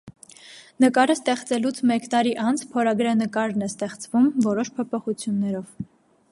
Նկարը ստեղծելուց մեկ տարի անց փորագրանկարն է ստեղծվում՝ որոշ փոփոխություններով։